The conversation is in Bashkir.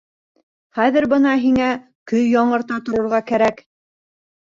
Хәҙер бына һиңә көй яңырта торорға кәрәк.